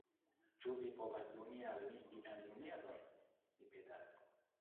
Ĉu vi povas doni al mi vian numeron? Mi petas